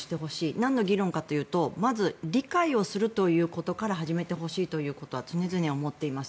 なんの議論かというとまず理解をするということから始めてほしいということは常々思っています。